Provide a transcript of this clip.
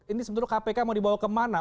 ini sebetulnya kpk mau dibawa kemana